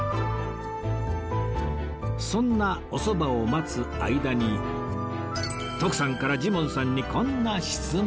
そんなおそばを待つ間に徳さんからジモンさんにこんな質問